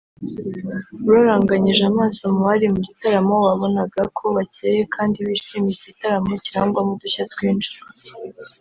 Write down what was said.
uraranganyije amaso mu bari mu gitaramo wabonaga ko bacyeye kandi bishimiye iki gitaramo kirangwamo udushya twinshi